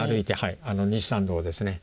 西参道ですね。